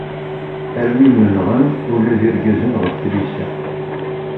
Armi menɣen ula d irgazen γef tlisa.